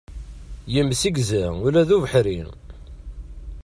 Yemsegza ula d ubeḥri.